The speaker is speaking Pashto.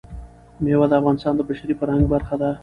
مېوې د افغانستان د بشري فرهنګ برخه ده.